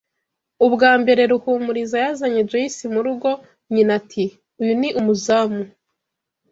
Ubwa mbere Ruhumuriza yazanye Joyce murugo, nyina ati: "Uyu ni umuzamu."